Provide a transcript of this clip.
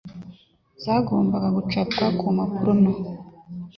zagombaga gucapwa ku mpapuro nto.